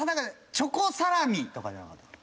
チョコサラミとかじゃなかった？